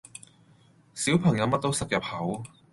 小朋友乜都塞入口